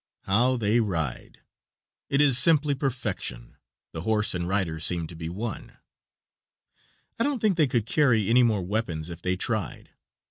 How they ride! It is simply perfection. The horse and rider seem to be one. I don't think they could carry any more weapons if they tried.